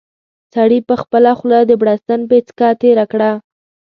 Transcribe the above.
سړي په خپله خوله د بړستن پېڅکه تېره کړه.